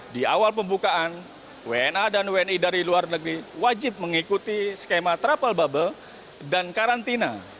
di awal pembukaan wna dan wni dari luar negeri wajib mengikuti skema travel bubble dan karantina